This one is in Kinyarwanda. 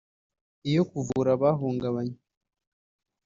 Iyo kuvura abahungabanye